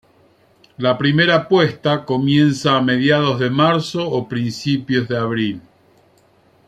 La primera puesta comienza a mediados de marzo o principio de abril.